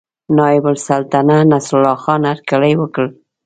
نایب السلطنته نصرالله خان هرکلی وکړ.